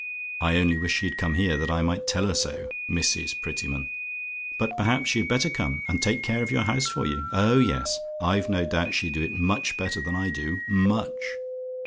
I only wish she'd come here, that I might tell her so! Mrs. Prettyman! But, perhaps she'd better come and take care of your house for you! Oh, yes! I've no doubt she'd do it much better than I do MUCH.